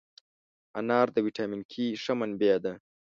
انار د ویټامین K ښه منبع ده.